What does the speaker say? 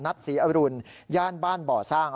ศรีอรุณย่านบ้านบ่อสร้าง